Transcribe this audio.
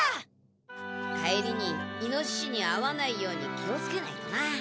帰りにイノシシに会わないように気をつけないとな。